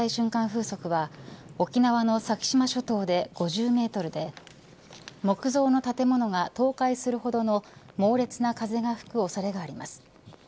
風速は沖縄の先島諸島で５０メートルで木造の建物が倒壊するほどの猛烈な風が吹く恐れがあります。